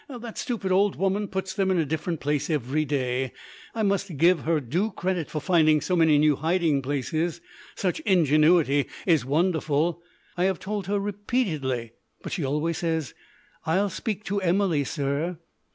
That stupid old woman puts them in a different place each day. I must give her due credit for finding so many new hiding places; such ingenuity is wonderful. I have told her repeatedly, but she always says, "I'll speak to Emily, sir."